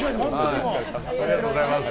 ありがとうございます。